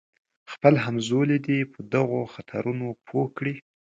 خپل همزولي دې په دغو خطرونو پوه کړي.